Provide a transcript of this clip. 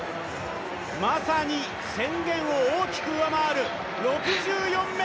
まさに宣言を大きく上回る６４ｍ３２ｃｍ！